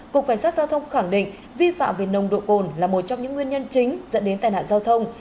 cục cảnh sát giao thông khẳng định vi phạm về nồng độ cồn là một trong những nguyên nhân chính dẫn đến tai nạn giao thông